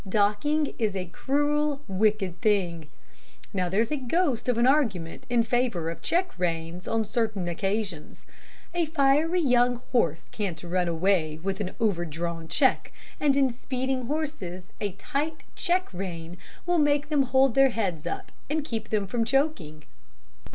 Docking is a cruel, wicked thing. Now, there's a ghost of an argument in favor of check reins, on certain occasions. A fiery, young horse can't run away, with an overdrawn check, and in speeding horses a tight check rein will make them hold their heads up, and keep them from choking.